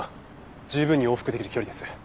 十分に往復できる距離です。